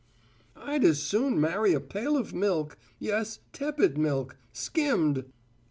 "I'd as soon marry a pail of milk yes, tepid milk, skimmed!